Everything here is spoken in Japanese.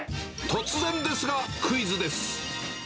突然ですが、クイズです！